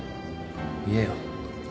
言えよ。